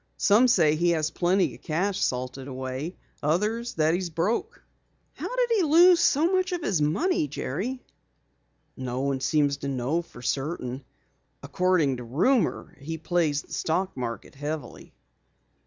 Some say he has plenty of cash salted away, others that he's broke." "How did he lose so much of his money, Jerry?" "No one seems to know for certain. According to rumor he plays the stock market heavily."